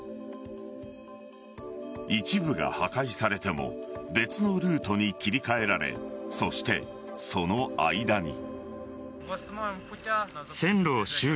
一部が破壊されても別のルートに切り替えられそして、その間に。